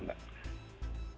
terima kasih mbak mbak